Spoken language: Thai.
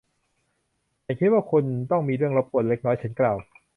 ฉันคิดว่าคุณต้องมีเรื่องรบกวนเล็กน้อย ฉันกล่าว